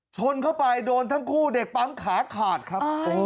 ชนเข้าไปโดนทั้งคู่เด็กปั๊มขาขาดครับ